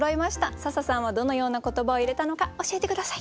笹さんはどのような言葉を入れたのか教えて下さい。